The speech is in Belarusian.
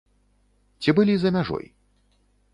Ці былі за мяжой?